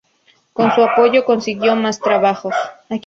Con su apoyo, consiguió más trabajos.